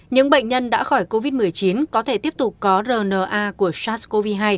những bệnh nhân đã khỏi covid một mươi chín có thể tiếp tục có rna của sars cov hai